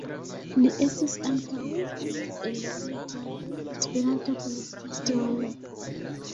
Li estis ankaŭ unu el la plej grandaj Esperanto-kolektistoj.